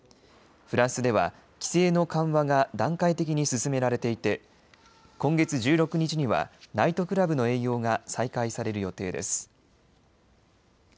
フランスでは規制の緩和が段階的に進められていて今月１６日にはナイトクラブの営業が再開される予定です。